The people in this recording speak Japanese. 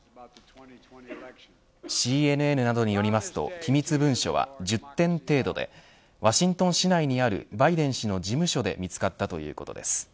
ＣＮＮなどによりますと機密文書は１０点程度でワシントン市内にあるバイデン氏の事務所で見つかったということです。